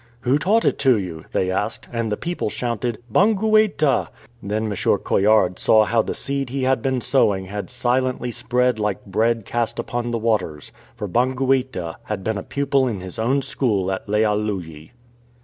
"Who taught it to you?" they asked ; and the people shouted, " Bangueta.'' Then M. Coillard saw how the seed he had been sowing had silently spread like " bread cast upon the waters,"*"* for Bangueta had been a pupil in his own school at Lealuyi.